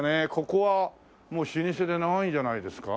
ここはもう老舗で長いんじゃないですか？